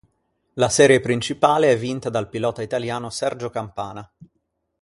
La serie principale è vinta dal pilota italiano Sergio Campana.